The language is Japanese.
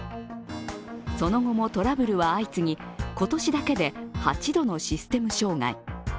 その後もトラブルは相次ぎ今年だけで８度のシステム障害。